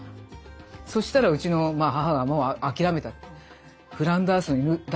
そしたらうちの母がもう諦めたって。